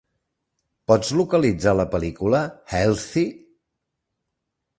Pots localitzar la pel·lícula, Healthy?